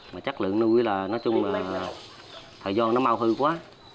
mà chất lượng nuôi là nói chung là thời gian nó mau hơn quá